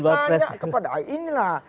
tanya kepada ini lah